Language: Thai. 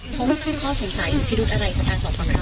พบให้ข้อสงสัยพิรุธอะไรของการสอบส่องครับ